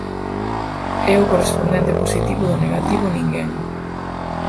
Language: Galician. É o correspondente positivo do negativo "ninguén".